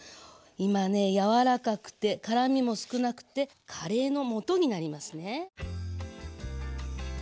今ね柔らかくて辛みも少なくてカレーのもとになりますね。